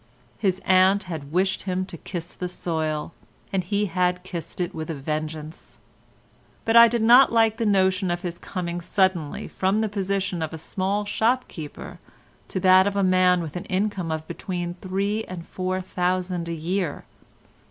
His aunt had wished him to kiss the soil, and he had kissed it with a vengeance; but I did not like the notion of his coming suddenly from the position of a small shop keeper to that of a man with an income of between three and four thousand a year.